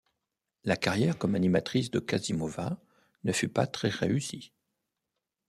La carrière comme animatrice de Kazımova ne fut pas très réussie.